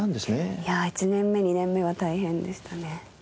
いや１年目２年目は大変でしたね。